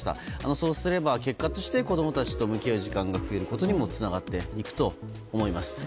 そうすれば結果として子供たちと向き合う時間が増えることにつながっていくと思います。